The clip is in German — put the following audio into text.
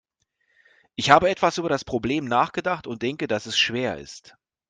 Ich habe etwas über das Problem nachgedacht und denke, dass es schwer ist.